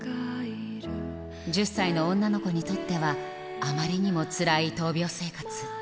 １０歳の女の子にとっては、あまりにもつらい闘病生活。